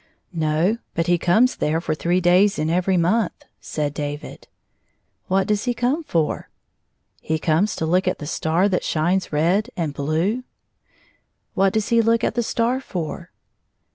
"No; but he comes there for three days in every month," said David. " What does he come for ?"" He comes to look at the star that shines red and blue." " What does he look at the star for